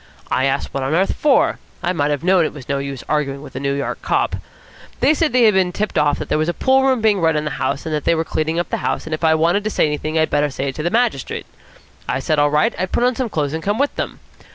I asked what on earth for. I might have known it was no use arguing with a New York cop. They said they had been tipped off that there was a pool room being run in the house, and that they were cleaning up the house, and if I wanted to say anything I'd better say it to the magistrate. I said, all right, I'd put on some clothes and come with them.